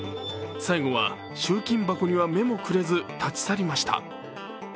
最後は集金箱には目もくれず立ち去りました。